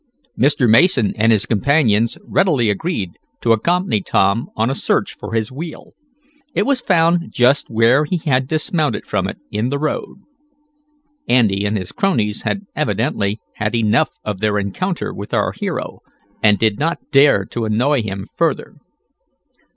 Mr. Mason and his companions readily agreed to accompany Tom on a search for his wheel. It was found just where he had dismounted from it in the road. Andy and his cronies had evidently had enough of their encounter with our hero, and did not dare to annoy him further.